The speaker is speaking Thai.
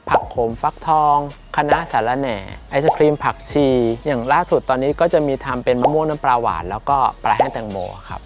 ขมฟักทองคณะสารแหน่ไอศครีมผักชีอย่างล่าสุดตอนนี้ก็จะมีทำเป็นมะม่วงน้ำปลาหวานแล้วก็ปลาแห้งแตงโมครับ